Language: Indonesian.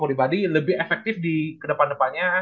pribadi lebih efektif di kedepan depannya